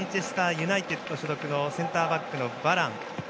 ユナイテッド所属のセンターバック、バラン。